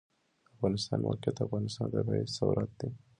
د افغانستان موقعیت د افغانستان طبعي ثروت دی.